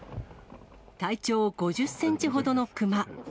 体長５０センチほどのクマ。